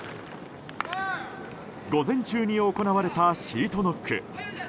午前中に行われたシートノック。